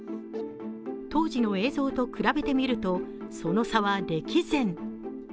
当時の映像と比べてみるとその差は歴然。